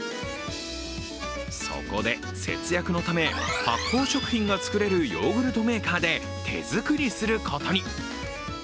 そこで節約のため、発酵食品が作れるヨーグルトメーカーで手作りすることに。